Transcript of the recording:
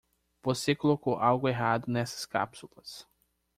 Você colocou algo errado nessas cápsulas.